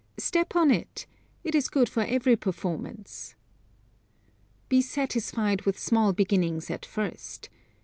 Step on it! It is good for every performance. Be satisfied with small beginnings at first.